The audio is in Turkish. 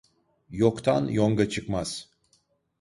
Yoktan yonga çıkmaz.